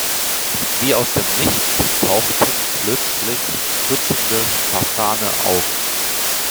Wie aus dem Nichts tauchten plötzlich dutzende Fasane auf.